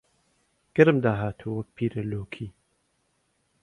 گەرم داهاتووە وەک پیرە لۆکی